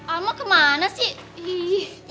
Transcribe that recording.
al mau kemana sih